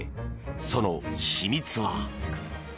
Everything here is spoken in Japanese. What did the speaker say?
その秘密は？